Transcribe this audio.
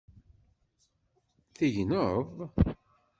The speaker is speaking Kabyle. Tegneḍ?